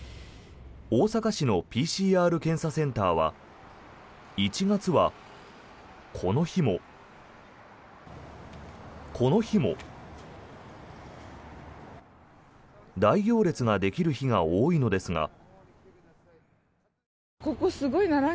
大阪市のＰＣＲ検査センターは１月はこの日も、この日も大行列ができる日が多いのですが。